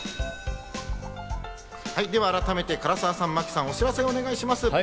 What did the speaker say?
改めて唐沢さん、真木さん、お知らせをお願いします。